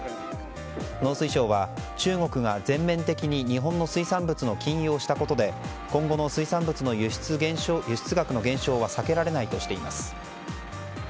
農水省は中国が全面的に日本の水産物の禁輸をしたことで今後の水産物の輸出額の減少は避けられないとしています。